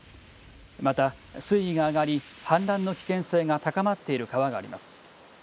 また水位が上がり氾濫の危険性が高まっている川があります。